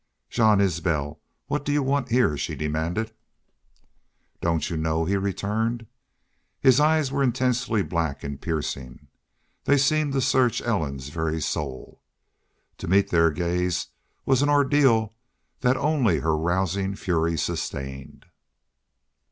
"Jean Isbel! What do y'u want heah?" she demanded. "Don't you know?" he returned. His eyes were intensely black and piercing. They seemed to search Ellen's very soul. To meet their gaze was an ordeal that only her rousing fury sustained.